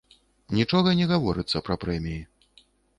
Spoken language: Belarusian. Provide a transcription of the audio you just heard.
Нічога не гаворыцца пра прэміі.